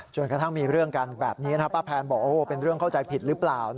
กระทั่งมีเรื่องกันแบบนี้ป้าแพนบอกเป็นเรื่องเข้าใจผิดหรือเปล่า